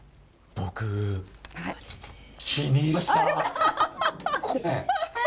僕気に入りました。